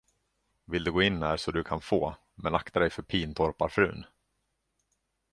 Vill du gå in här, så kan du få, men akta dig för Pintorpafrun!